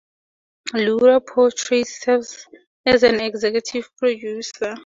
Laura Poitras serves as an executive producer.